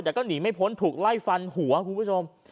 แต่ก็หนีไม่พ้นถูกไล่ฟันหัวคุณผู้ชม